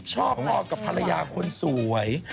ชอบงอดกับภรรยาคนสวย